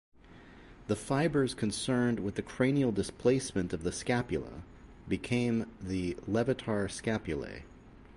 The fibers concerned with the cranial displacement of the scapula became the levator scapulae.